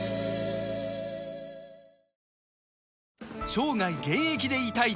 生涯現役でいたい！